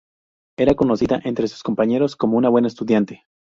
Era conocida entre sus compañeros como una buena estudiante.